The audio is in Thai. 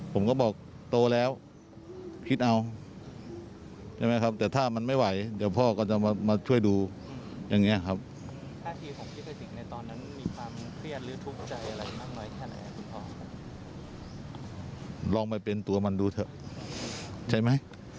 พ่อบอกไงฮะ